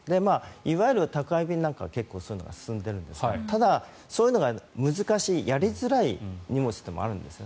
いわゆる宅配便なんかは進んでいるんですがただ、そういうのが難しいやりづらい荷物もあるんです。